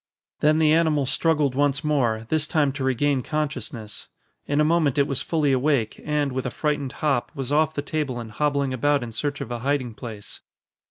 Then the animal struggled once more, this time to regain consciousness. In a moment it was fully awake and, with a frightened hop, was off the table and hobbling about in search of a hiding place.